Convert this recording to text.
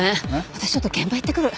私ちょっと現場行ってくる。